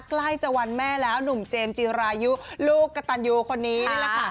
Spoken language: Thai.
ใกล้จะวันแม่แล้วหนุ่มเจมส์จีรายุลูกกระตันยูคนนี้นี่แหละค่ะ